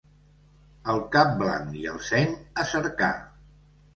El cap blanc i el seny a cercar.